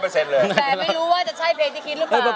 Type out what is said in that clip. แต่ไม่รู้ว่าจะใช่เพลงที่คิดหรือเปล่า